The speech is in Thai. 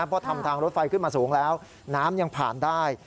พอทำทางรถไฟขึ้นมาสูงแล้วน้ำยังผ่านได้